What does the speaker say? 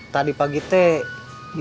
tadi pagi tadi